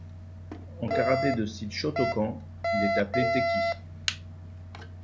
En karaté de style shotokan, il est appelé Tekki.